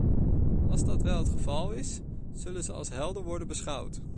Als dat wel het geval is, zullen ze als helden worden beschouwd.